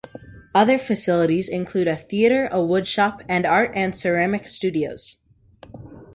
Other facilities include a theater, a wood shop, and art and ceramics studios.